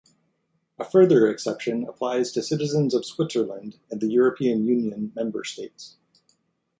A further exception applies to citizens of Switzerland and the European Union member states.